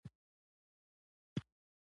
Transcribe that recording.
خوړل له لوږې وژغوري